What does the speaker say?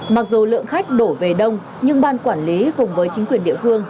mặc dù lượng khách đổ về đông nhưng ban quản lý cùng với chính quyền địa phương